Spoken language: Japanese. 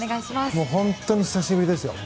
もう本当に久しぶりですよ。